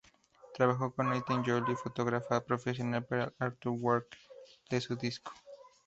Trabajó con Aitken Jolly, fotógrafa profesional, para el "artwork" de su disco.